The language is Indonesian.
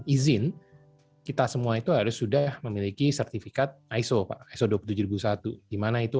izin kita semua itu harus sudah memiliki sertifikat iso pak iso dua puluh tujuh ribu satu dimana itu